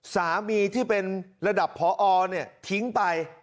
สามีที่เป็นระดับพอทิ้งไป